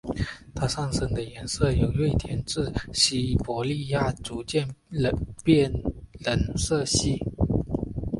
它们上身的颜色由瑞典至西伯利亚逐渐变冷色系。